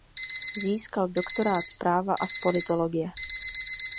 Získal doktorát z práva a z politologie.